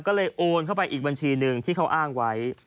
ก็เลยโอนเข้าไปอีกบัญชีหนึ่งที่เขาอ้างไว้